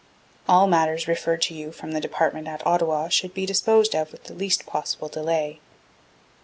All matters referred to you from the Department at Ottawa should be disposed of with the least possible delay.